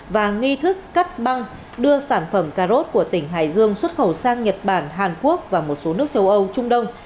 và nghi thức cắt băng đưa sản phẩm cà rốt của tỉnh hải dương xuất khẩu sang nhật bản hàn quốc và một số nước châu âu trung đông